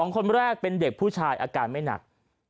คนแรกเป็นเด็กผู้ชายอาการไม่หนัก